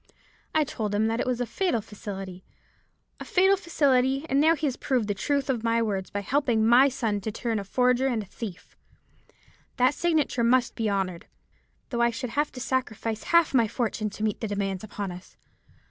I told him then that it was a fatal facility, a fatal facility, and now he has proved the truth of my words by helping my son to turn forger and thief. That signature must be honoured, though I should have to sacrifice half my fortune to meet the demands upon us.